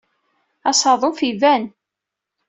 Asaḍuf iban.